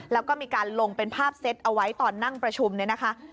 แล้วก็มีการลงเป็นภาพเซตเอาไว้ตอนนั่งประชุมเนี่ยนะคะ